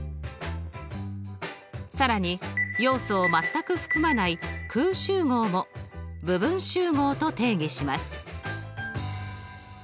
更に要素を全く含まない空集合も部分集合と定義します。